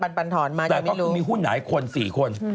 ก็สรุปนี่แหละครับแต่ก็คือมีหุ้นหลายคน๔คน